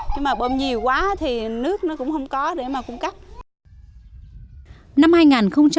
nhưng mà bơm nhiều quá thì nước nó cũng không có để mà cung cấp